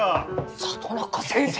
里中先生！？